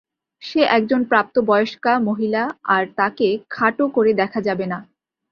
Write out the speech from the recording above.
সে একজন প্রাপ্তবয়স্কা মহিলা আর তাকে খাটো করে দেখা যাবে না।